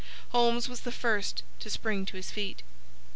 Holmes was the first to spring to his feet.